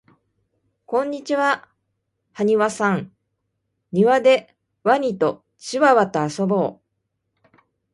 こんにちははにわさんにわでワニとチワワとあそぼう